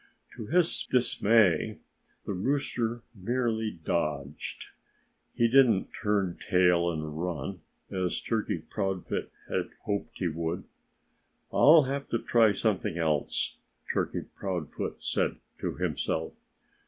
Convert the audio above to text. To his dismay, the rooster merely dodged. He didn't turn tail and run, as Turkey Proudfoot had hoped he would. "I'll have to try something else," Turkey Proudfoot said to himself.